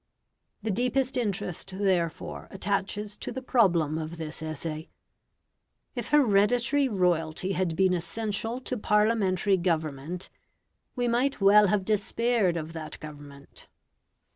The deepest interest, therefore, attaches to the problem of this essay. If hereditary royalty had been essential to Parliamentary government, we might well have despaired of that government.